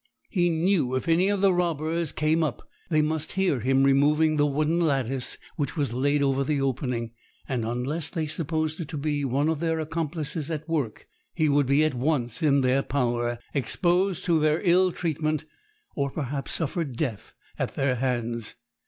He knew if any of the robbers came up they must hear him removing the wooden lattice which was laid over the opening; and unless they supposed it to be one of their accomplices at work, he would be at once in their power, exposed to their ill treatment, or perhaps suffer death at their hands.